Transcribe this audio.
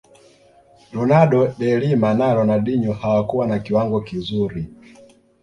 ronaldo de Lima na Ronaldinho hawakuwa na kiwango kizuri